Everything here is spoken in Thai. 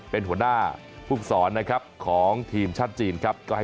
เป็นหัวหน้าพูดสอนของทีมชาติจีน